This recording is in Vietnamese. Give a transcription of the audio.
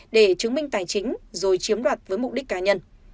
để chứng minh tài chính rồi chiếm đoạt với mục đích cá nhân